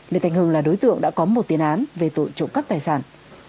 lê thanh hưng là đối tượng đã có một tiền án về tội trộm cắp tài sản